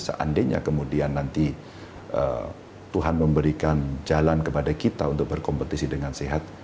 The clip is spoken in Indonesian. seandainya kemudian nanti tuhan memberikan jalan kepada kita untuk berkompetisi dengan sehat